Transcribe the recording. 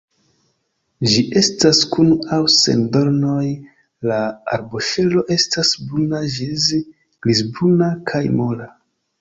Ĝi estas kun aŭ sen dornoj, la arboŝelo estas bruna ĝis grizbruna kaj mola.